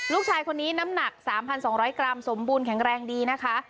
ลูกชายคนนี้น้ำหนัก๓๒๐๐กรัมสมบูรณแข็งแรงดีนะคะ